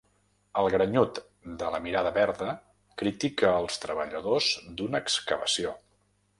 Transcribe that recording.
El grenyut de la mirada verda critica els treballadors d'una excavació.